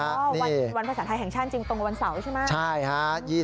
ก็วันภาษาไทยแห่งชาติจริงตรงวันเสาร์ใช่ไหม